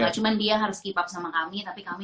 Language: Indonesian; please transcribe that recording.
cuman dia harus keep up sama kami tapi kami